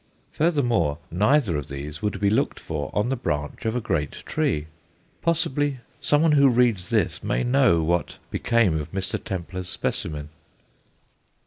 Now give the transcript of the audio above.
Furthermore, neither of these would be looked for on the branch of a great tree. Possibly someone who reads this may know what became of Mr. Templar's specimen.